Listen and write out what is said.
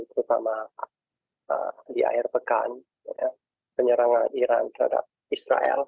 terutama di akhir pekan penyerangan iran terhadap israel